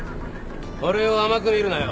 俺を甘く見るなよ。